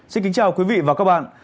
xin kính chào quý vị và các bạn